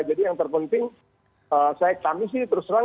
jadi yang terpenting kami sih terserang